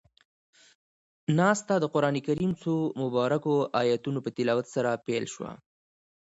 ناسته د قرآن کريم څو مبارکو آیتونو پۀ تلاوت سره پيل شوه.